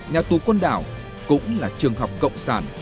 nhà tù côn đảo cũng là trường học cộng sản